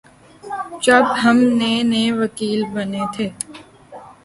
جب ہم نئے نئے وکیل بنے تھے